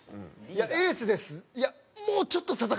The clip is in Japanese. いや「エースです」。